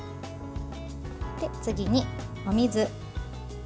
次にお水。